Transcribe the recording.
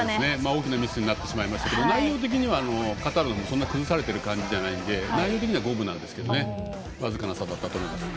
大きなミスになってしまいましたけど内容的にはカタールもそんな崩されてる感じじゃないんで内容的には五分なんですけどね。